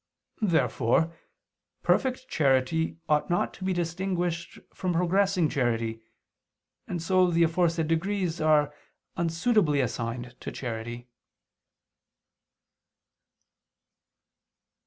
Therefore perfect charity ought not to be distinguished from progressing charity: and so the aforesaid degrees are unsuitably assigned to charity.